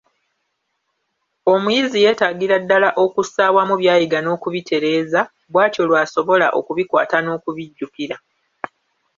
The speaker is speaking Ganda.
Omuyizi yetaagira ddala okussa awamu by'ayiga n'okubitereeza, bw'atyo lw'asobola okubikwata n'okubijjukira.